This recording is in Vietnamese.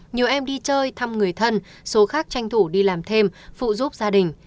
nhiều em đi chơi thăm người thân số khác tranh thủ đi làm thêm phụ giúp gia đình